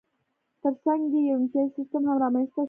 ترڅنګ یې یو امتیازي سیستم هم رامنځته شو.